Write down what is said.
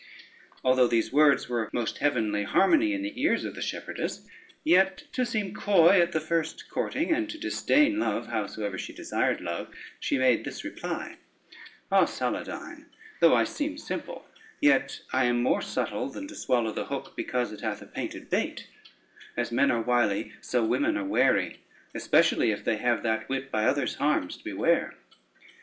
[Footnote 1: indirect modes of speech.] Although these words were most heavenly harmony in the ears of the shepherdess, yet to seem coy at the first courting, and to disdain love howsoever she desired love, she made this reply: "Ah, Saladyne, though I seem simple, yet I am more subtle than to swallow the hook because it hath a painted bait: as men are wily so women are wary, especially if they have that wit by others' harms to beware.